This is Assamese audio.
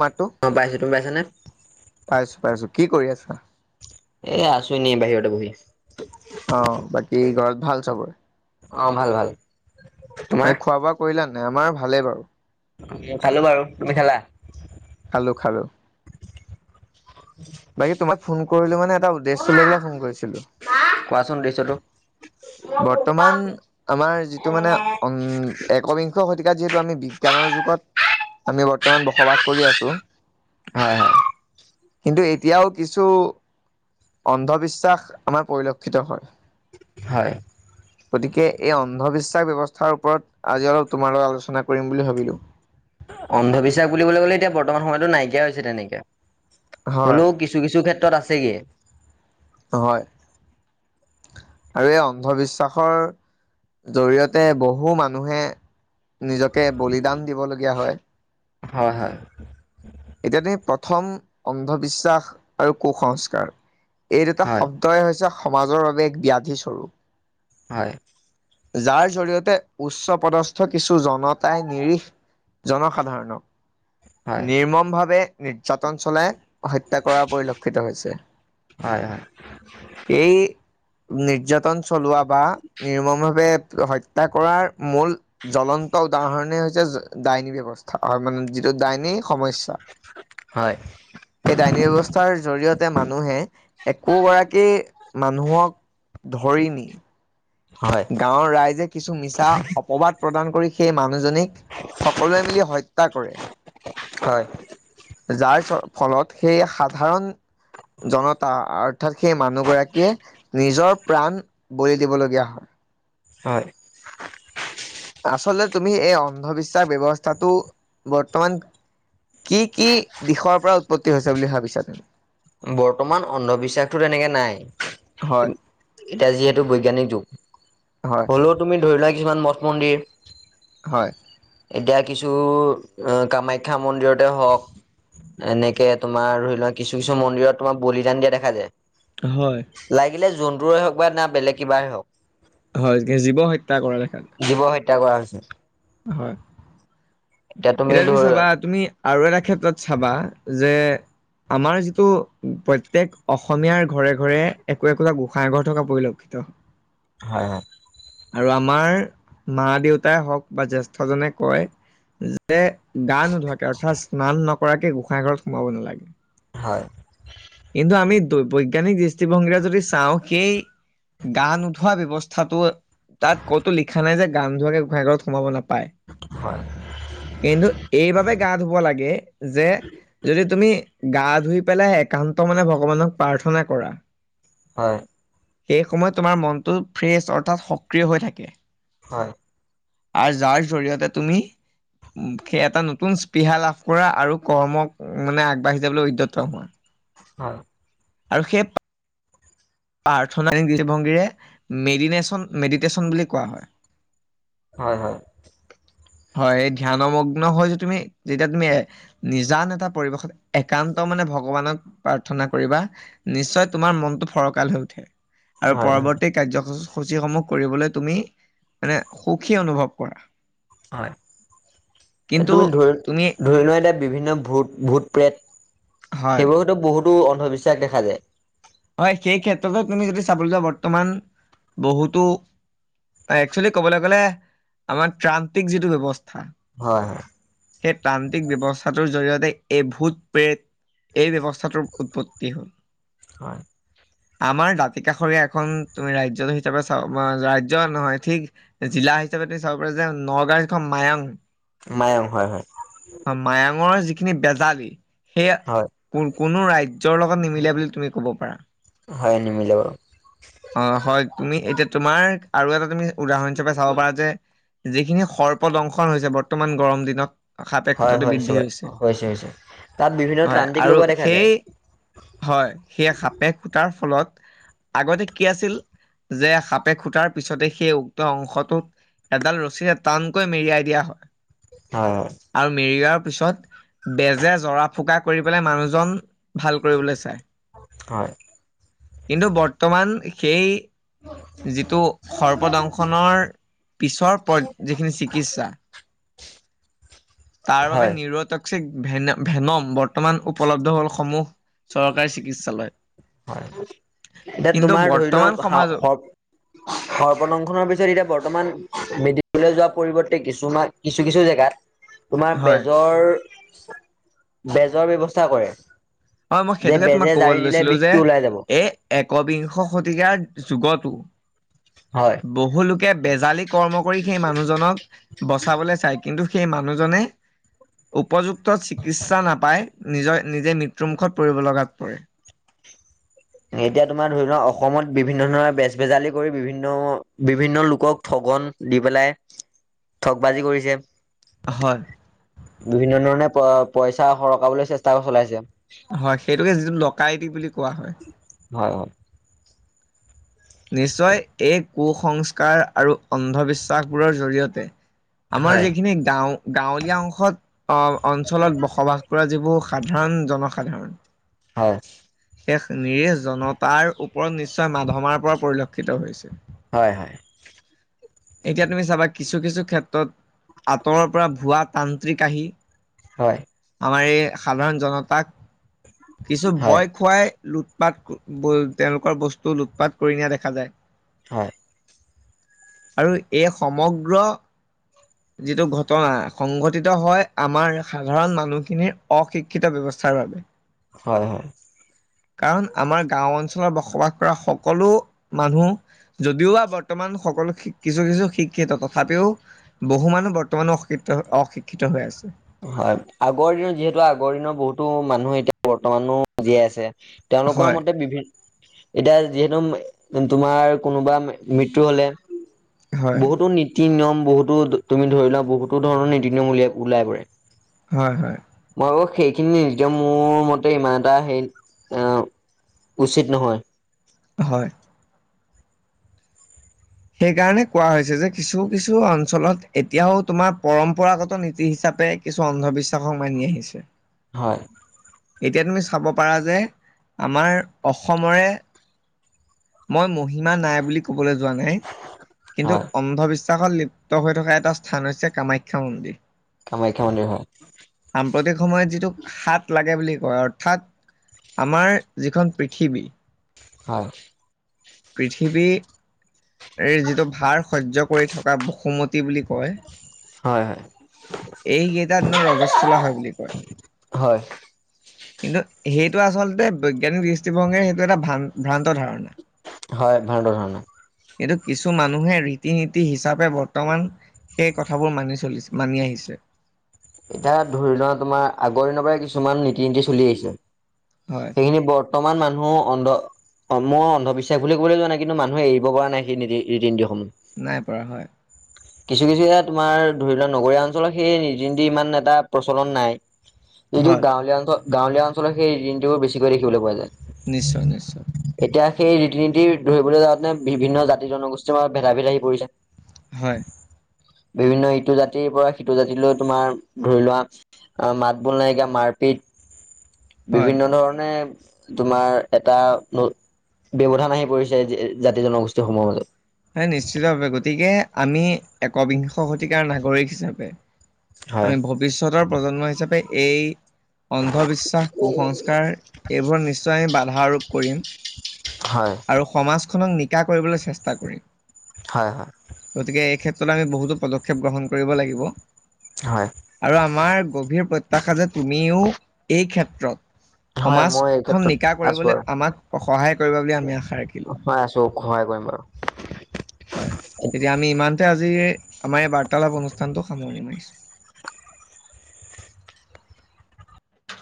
মাতো অ', পাইছো। তুমি পাইছানে? পাইছো পাইছো কি কৰি আছা? এ, আছু এনি বাহিৰতে বহি। অ বাকী ঘৰত ভাল চবৰে? অ', ভাল ভাল। [unintelligible] তোমাৰ? খোৱা বোৱা কৰিলান নে, আমাৰ ভালেই বাৰু। খালো বাৰু তুমি খালা খালো খালো বাকী তোমাক ফোন কৰিলো মানে এটা উদ্দেশ্য লৈ পেলাই ফোন কৰিছিলো কোৱাচোন দৃশ্যটো। বৰ্তমান আমাৰ যিটো মানে উম একবিংশ শতিকাত যিহেতু আমি বিজ্ঞানৰ যুগত আমি বৰ্তমান বসবাস কৰি আছো হয় হয়। কিন্তু এতিয়াও কিছু অন্ধবিশ্বাস আমাৰ পৰিলক্ষিত হয় । হয়। গতিকে এই অন্ধবিশ্বাস ব্যৱস্থাৰ ওপৰত আজি অলপ তোমাৰ লগত আলোচনা কৰিম বুলি ভাবিলো অন্ধবিশ্বাস বুলিবলৈ কলে এতিয়া বৰ্তমান সময়তো নাইকিয়া হৈছে তেনেকে হয় হ'লেও কিছু কিছু ক্ষেত্ৰ আছেগে হয়। আৰু এই অন্ধবিশ্বাসৰ জৰিয়তে বহু মানুহে নিজকে বলিদান দিবলগীয়া হয় । হয় হয়। এতিয়াতে প্ৰথম অন্ধবিশ্বাস আৰু কুসংস্কাৰ এই দুটা হয় শব্দই হৈছে সমাজৰ বাবে এক ব্যাধিস্বৰূপ । হয়। যাৰ জৰিয়তে উচ্চ পদস্থ কিছু জনতাই নিৰিখ জনসাধাৰণক হয় নিৰ্মপ [unintelligible] ভাৱে নিৰ্যাতন চলাই হত্যা কৰা পৰিলক্ষিত হৈছে হয় হয়। ।এই নিৰ্যাতন চলোৱা বা নিৰ্মম ভাৱে হত্যা কৰাৰ মূল জ্বলন্ত উদাহৰণে হৈছে ডাইনী ব্যৱস্থা হয় মানে যিটো ডাইনী সমস্যা । হয় সেই ডাইনী ব্যৱস্থাৰ জৰিয়তে মানুহে একোগৰাকী মানুহক ধৰি নি হয় গাঁৱৰ ৰাইজে কিছু মিছা অপবাদ প্ৰদান কৰি সেই মানুহজনিক সকলোৱে মিলি হত্যা কৰে । হয়। যাৰ ফলত সেই সাধাৰণ জনতা অৰ্থাৎ সেই মানুহ গৰাকীয়ে নিজৰ প্ৰাণ বলি দিবলগীয়া হয়। হয়। আচলতে তুমি এই অন্ধবিশ্বাস ঊব্যৱস্থাটো বৰ্তমান কি কি দিশৰ পৰা উৎপত্তি হৈছে বুলি ভাবিছা তুমি বৰ্তমান অন্ধবিশ্বাসতো তেনেকে নাই হয় এতিয়া যিহেতু বৈজ্ঞানিক যুগ হয় হলেও তুমি ধৰিলোৱা কিছুমান মঠ মন্দিৰ হয়। এতিয়া কিছু কামাখ্যা মন্দিৰতে হওক এনেকে তোমাৰ ধৰি লোৱা কিছু কিছু মন্দিৰত তোমাৰ বলিদান দিয়া দেখা যায় হয় । লাগিলে জন্তুৰে হওক বা না বেলেগ কিবাৰেই হওক হয় জীৱ হত্যা কৰা দেখা জীৱ হত্যা কৰা হৈছে। হয়। এতিয়া তুমি চাবা তুমি আৰু এটা ক্ষেত্ৰত চাবা যে আমাৰ যিটো প্ৰত্যেক অসমীয়াৰ ঘৰে ঘৰে একো একোটা গোঁসাই ঘৰ থকা পৰিলক্ষিত হয় হয়। আৰু আমাৰ মা দেউতাই হওঁক বা জ্যেষ্ঠজনে কয় গা নোধোৱাকে অৰ্থাৎ স্নান নকৰাকে গোঁসাই ঘৰত সোমাব নালাগে হয়। কিন্তু আমি বৈজ্ঞানিক দৃষ্টিভংগীৰে যদি চাওঁ সেই গা নুধোৱা ব্যৱস্থাটো তাত ক'তো লিখা নাই যে গান নুধোৱাকে গোসাঁই ঘৰত সোমাব নাপায় পায়, হয় কিন্তু এইবাবে গা ধুব লাগে যে যদি তুমি গা ধুই পেলাই এক একান্ত মনে ভগৱানক প্ৰাৰ্থনা কৰা হয়। সেই সময়ত তোমাৰ মনটো ফ্ৰেছ অৰ্থাৎ সক্ৰিয় হৈ থাকে। হয়। আৰু যাৰ জৰিয়তে তুমি সেই এটা নতুন স্পৃহা লাভ কৰা আৰু কৰ্মক মানে আগবাঢ়ি যাবলৈ উদ্যত হোৱা। হয়। আৰু সেই প্ৰাৰ্থনা দৃষ্টিভংগীৰে মেডিনেশ্যন মেডিটেশ্যন বুলি কোৱা হয়। হয় হয়। হয় এই ধ্যানমগ্ন হৈ যে তুমি যেতিয়া তুমি এ নিজান এটা পৰিৱেশত একান্ত মনে ভগৱানক প্ৰাৰ্থনা কৰিবা নিশ্চয় তোমাৰ মনটো ফৰক কাল হৈ উঠে। আৰু হয় হয় পৰবৰ্তী কাৰ্যসূচ সূচীসমূহ কৰিবলৈ তুমি মানে সুখী অনুভৱ কৰা। হয় কিন্তু তুমি ধৰি, তুমি ধৰি লোৱা এতিয়া বিভিন্ন ভূত, ভূত-প্ৰেত হয় সেইবোৰ হয়তো বহুত টো অন্ধবিশ্বাস দেখা যায়। হয় সেই ক্ষেত্ৰতো তুমি যদি চাবলৈ যোৱা বৰ্তমান বহুতো, একচুৱেলি কবলৈ গলে আমাৰ তান্ত্ৰিক যিটো ব্যৱস্থা হয় হয় সেই তান্ত্ৰিক ব্যৱস্থাটোৰ জৰিয়তে এই ভূত-প্ৰেত এই ব্যৱস্থাটোৰ উৎপত্তি হ'ল। [inaudible] আমাৰ দাঁতিকাষৰীয়া এখন তুমি ৰাজ্য হিচাপে চাব ৰাজ্য নহয় ঠিক জিলা হিচাপে তুমি চাব পাৰা যে নগাঁও যিখন মায়ং মায়ং, হয় হয়। খিনি বেজালি। সেয়া, হয় কোন? কোনো ৰাজ্যৰ লগত নিমিলে বুলি তুমি ক'ব পাৰা। হয় নিমিলে বাৰু [inaudible] অহ হয়, তুমি এতিয়া তোমাৰ আৰু এটা তুমি উদাহৰণ হিচাপে চাব পাৰা যে? যিখিনি সৰ্প দংশন হৈছে বৰ্তমান গৰম দিনত সাপে খুটাটো বৃদ্ধি হৈছে, তাত বিভিন্ন হয়। ত্ৰান্তিক আৰু লগোৱা দেখা যায়। সেই হয়, সেই সাপ তাৰ ফলত আগতে কি আছিল, যে সাপে খুটাৰ পিছতে সেই উক্ত অংশটোত এডাল ৰছীৰে টানকৈ মেৰিয়াই দিয়া হয়। হয় আৰু মেৰিয়াৰ, পিছত, বেজে জৰা, ফুকা কৰি পেলাই মানুহজন। ভাল কৰিবলৈ চাই। হয় কিন্তু বৰ্তমান সেই। যিটো সৰ্বদংশনৰ পিছৰ যিখিনি চিকিৎসা তাৰ বাবে হয় হয় নিৰত। ভেন-ভেনম বৰ্তমান উপলব্ধ হল সমূহ চৰকাৰী চিকিৎসালয়। হয়, এতিয়া কিন্তু তোমাৰ ধৰি লোৱা। বৰ্তমান সমাজত সৰ্প-সৰ্পদংখনৰ পিছত এতিয়া বৰ্তমান মেদি লৈ যোৱা পৰিৱৰ্তে কিছুমান, কিছু-কিছু জেগাত। তোমাৰ হয় বেজৰ? বেজৰ ব্যৱস্থা কৰে। হয়, মই যে সেইটোকে তোমাক বেজে জাৰি কবলৈ দিলে লৈছিলো, যে? বিষটো ওলাই যাব এই একবিংশ শতিকাৰ যুগতো। হয় বহুলোকে বেজালি কৰ্ম কৰি সেই মানুহজনক বচাবলৈ চাই, কিন্তু? সেই মানুহজনে উপযুক্ত চিকিৎসা নাপাই, নিজৰ নিজে মৃত্যুমুখত পৰিব লগাত পৰে। এতিয়া তোমাৰ ধৰি লোৱা, অসমত বিভিন্ন ধৰণৰ বেজ-বেজালি কৰি বিভিন্ন-বিভিন্ন লোকক ঠগন দি পেলাই ঠগ বাজি কৰিছে। হয় বিভিন্ন ধৰণে প পইচা সৰকাবলৈ চেষ্টা চলাইছে। হয়, সেইটোকে যিটো ডকাইত বুলি কোৱা হয়। হয়-হয়। নিশ্চয় এক কুসস্কাৰ আৰু অন্ধবিশ্বাসবোৰৰ জৰিয়তে, আমাৰ হয়। যিখিনি গাঁও। গাঁৱলীয়া অংশত অহ-অঞ্চলত বসবাস কৰা যিবোৰ সাধাৰণ জনসাধাৰণ। হয়। এক নিৰেশ জনতাৰ ওপৰত নিশ্চয় মাধমাৰ পৰা। পৰিলক্ষিত হৈছে। হয়-হয়। এতিয়া তুমি চাবা কিছু-কিছু ক্ষেত্ৰত আঁতৰৰ পৰা ভুৱা তান্ত্ৰিক আহি হয়। আমাৰ এই সাধাৰণ জনতাক কিছু হয়, ভয় খুৱাই লুট-পাত, তেওঁলোকৰ বস্তু লুট-পাত কৰি নিয়া দেখা যায়। হয়। আৰু এই সমগ্ৰ যিটো ঘটনা সংঘটিত হয়, আমাৰ সাধাৰণ মানুহখিনিৰ অ-শিক্ষিত ব্যৱস্থাৰ বাবে। হয়, হয়। কাৰণ আমাৰ গাওঁ অঞ্চলত বসবাস কৰা সকলো মানুহ, যদিও বা বৰ্তমান সকলো, কিছু কিছু শিক্ষিত তথাপিও বহু মানুহ বৰ্তমানো অশিক্ষিত, অ-শিক্ষিত হৈ আছে। হয়, আগৰ দিনত যিহেতু আগৰ দিনৰ বহুতো মানুহ এতিয়া বৰ্তমানো জীয়াই আছে। তেওঁলোকৰ হয় মতে বিভিন্ন এতিয়া যিহেতু তোমাৰ কোনোবা মৃত্যু হলে হয় বহুতো নীতি-নিয়ম বহুতো, তুমি ধৰি লোৱা বহুতো ধৰণৰ নীতি-নিয়ম উলিয়াই ওলাই পৰে। হয়, হয়। আৰু সেইখিনি নিজে মোৰ মতে ইমান এটা হেৰি, এ উচিত নহয়। হয়। সেই কাৰণে কোৱা হৈছে যে কিছু কিছু অঞ্চলত এতিয়াওঁ তোমাৰ পৰম্পৰাগত নীতি হিচাপে কিছু অন্ধবিশ্বা সক মানি আহিছে। হয়, এতিয়া তুমি চাব পাৰা যে আমাৰ অসমৰে মই মহিমা নাই বুলি ক বলে যোৱা নাই কিন্তু হয়, অন্ধবিশ্বাস লিপ্ত হৈ থকা এটা স্থান হৈছে কামাখ্যা মন্দিৰ। কামাখ্যা মন্দিৰ হয়। সাম্প্ৰতিক সময়ত যিটো সাত লাগে বুলি কয়, অৰ্থাৎ আমাৰ যিখন পৃথিৱী হয়। পৃথিৱীৰ এই যিটো ভাৰ সহ্য কৰি থকা বসুমতি বুলি কয়। হয়, হয়, এই কেইটা দিনত ৰজস্বলা হয় বুলি কয়। হয়, কিন্তু সেইটো আচলতে বৈজ্ঞানিক দৃষ্টিভংগীৰে সেইটো এটা ভ্ৰান ভ্ৰান্ত ধাৰণা। হয় ভ্ৰান্ত ধাৰণা। কিন্তু কিছু মানুহে ৰীতি-নীতি হিচাপে বৰ্তমান সেই কথাবোৰ মানি চলিছে, মানি আহিছে। এতিয়া ধৰি লোৱা তোমাৰ আগৰ দিনৰ পৰাই কিছুমান নীতি, নীতি চলি আহিছে। হয় সেইখিনি বৰ্তমান মানুহ অন্ধ অ' মই অন্ধবিশ্বাস বুলি কবলৈ যোৱা নাই, কিন্তু মানুহে এৰিব পৰা নাই সেই নীতি, ৰীতি-নীতি নাই পৰা হয়। কিছু কিছু এয়া তোমাৰ ধৰি লোৱা নগৰীয়া অঞ্চলৰ সেই ৰিতি নীতি ইমান এটা প্ৰচলন নাই। যিটো হয় গাঁৱলীয়া অঞ্চল । গাঁৱলীয়া অঞ্চলত সেই ৰীতি নীতি বোৰ বেছিকৈ দেখিবলৈ পোৱা যায়। নিশ্চয় নিশ্চয়। এতিয়া সেই ৰীতি নীতিৰ ধৰিবলৈ যাওঁতে বিভিন্ন জাতি জনগোষ্ঠীৰ মাজত ভেদা ভেদ আহি পৰিছে। হয়। বিভিন্ন ইটো জাতিৰ পৰা সিটো জাতিলৈ তোমাৰ ধৰি লোৱা মাত বোল নাইকিয়া মাৰপিত। হয় বিভিন্ন ধৰণে। তোমাৰ এটা নট ব্যৱধান আহি পৰিছে জাতি জনগোষ্ঠী সমূহৰ মাজত। হয় নিশ্চিতভাৱে গতিকে আমি একবিংশ শতিকাৰ নাগৰিক হিচাপে। হয়, আমি ভৱিষ্যতৰ । প্ৰজন্ম হিচাপে এই। অন্ধবিশ্বাস কুসংস্কাৰ এইবোৰ নিশ্চয় আমি বাধা আৰোপ। কৰিম। হয়, আৰু সমাজখনক নি--। কা কৰিবলৈ চেষ্ট--। তা কৰিম। হয়, হয়, গতিকে এই ক্ষেত্ৰ । তাতে আমি বহুতো পদক্ষেপ গ্ৰহণ কৰিব লাগিব। হয়, আৰু আমাৰ গভীৰ প্ৰত্যাশা যে তুমিও এই ক্ষেত--। ৰং। হয় সমাজ মই এই খন ক্ষেত্ৰত নিকা আছো কৰিবলৈ আৰু। আমাক সহায়--। কৰিবা বুলি আমি আশা--। ৰাখিলো হয় আছো সহায় কৰিম বাৰু। হয় তেতিয়া আমি ইমানতে আজি। আমাৰ এই বাৰ্তালাপ অনুষ্ঠানটো সামৰণি মাৰিছো।